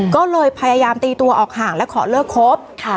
ก็เลยพยายามตีตัวออกห่างและขอเลิกคบ